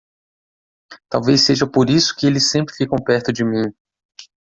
Talvez seja por isso que eles sempre ficam perto de mim.